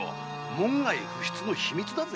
門外不出の秘密だぜ。